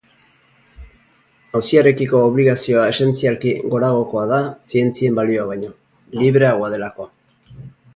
Auziarekiko obligazioa esentzialki goragokoa da zientzien balioa baino, libreagoa delako.